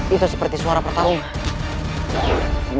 itu seperti suara pertarungan